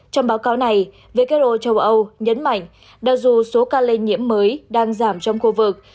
trong báo cáo này who nhấn mạnh đặc dù số ca lây nhiễm mới đang giảm trong khu vực